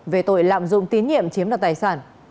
về tội lạm dụng tín nhiệm chiếm đoạt tài sản